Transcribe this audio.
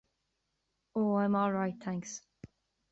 Oh I'm alright thanks.